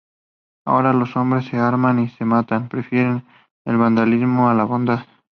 Ahora los hombres se arman y se matan, prefieren el vandalismo a la bondad.